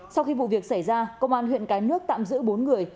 sau khi vụ việc xảy ra công an huyện cái nước tạm giữ bốn người